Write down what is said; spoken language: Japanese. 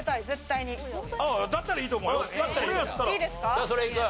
じゃあそれいく？